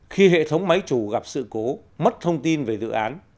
khi hệ thống máy chủ gặp sự cố mất thông tin về dự án